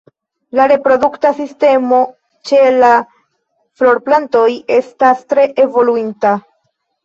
La reprodukta sistemo ĉe la florplantoj estas tre evoluinta.